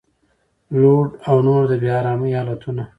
لوډ او نور د بې ارامۍ حالتونه